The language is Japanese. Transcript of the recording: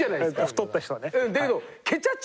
太った人はね。